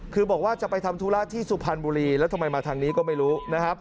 คือบอกว่าจะไปทำธุระที่สุพรรณบุรีแล้วทำไมมาทางนี้ก็ไม่รู้นะครับ